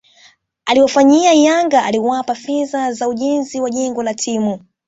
alivyowafanyia yangaaliwapata fedha za ujenzi wa jengo la timu